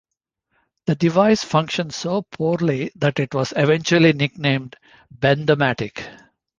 The device functioned so poorly that it was eventually nicknamed "bendomatic".